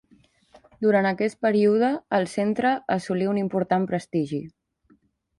Durant aquest període el centre assolí un important prestigi.